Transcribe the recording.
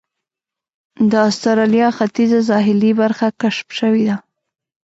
د اسټرالیا ختیځه ساحلي برخه کشف شوې وه.